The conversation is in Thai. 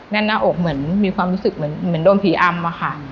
แน่นหน้าอกเหมือนมีความรู้สึกเหมือนโดนผีอำอะค่ะ